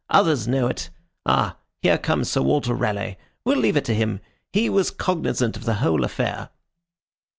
Others know it. Ah, here comes Sir Walter Raleigh. We'll leave it to him. He was cognizant of the whole affair."